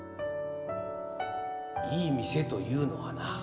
いい店というのはな